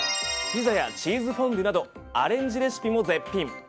ピザやチーズフォンデュなどアレンジレシピも絶品。